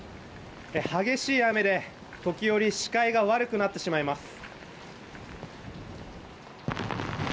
激しい雨で時折視界が悪くなってしまいます。